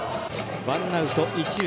ワンアウト、一塁。